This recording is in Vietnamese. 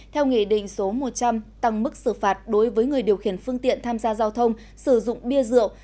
theo nghị định số một trăm linh tăng mức xử phạt đối với người điều khiển phương tiện tham gia giao thông sử dụng bia rượu